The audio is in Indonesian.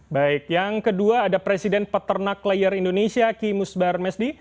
baik yang kedua ada presiden peternak layer indonesia ki musbar mesdi